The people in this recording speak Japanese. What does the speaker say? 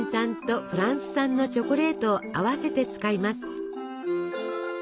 チョコレートを合わせて使います。